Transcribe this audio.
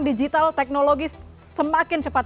digital teknologi semakin cepat